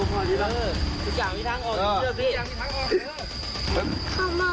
แต่เขาก็ยังมียาก